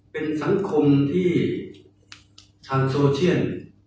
เป็นสังคมที่ทางโซเชียล